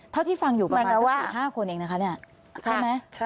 เท่าที่ฟังอยู่ประมาณสัก๔๕คนเองนะคะเนี่ยใช่ไหม